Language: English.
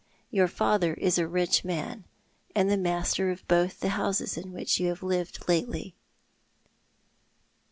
Your father is a rich man, and master of both the houses in which you have lived lately."